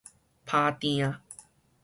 拋碇